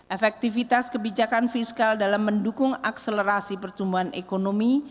efektivitas kebijakan fiskal dalam mendukung akselerasi pertumbuhan ekonomi